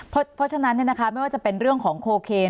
เพราะฉะนั้นไม่ว่าจะเป็นเรื่องของโคเคน